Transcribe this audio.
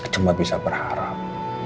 cuma bisa berharap